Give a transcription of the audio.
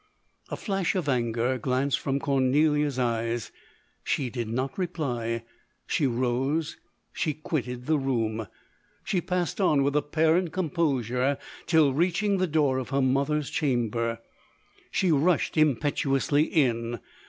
"" A flash of anger glanced from Cornelia 'a eyes. She did not reply — she rose — she quitted the room — she passed on with apparent com posure, till reaching the door of her mother's chamber, she rushed impetuously in.